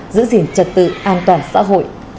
giữ gìn trật tự an toàn xã hội